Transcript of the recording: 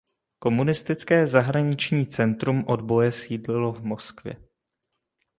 Komunistické zahraniční centrum odboje sídlilo v Moskvě.